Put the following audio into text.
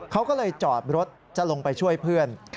เขาก็เลยจอดรถจะลงไปช่วยเพื่อน